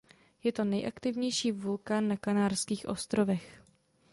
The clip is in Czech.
Je to nejaktivnější vulkán na Kanárských ostrovech.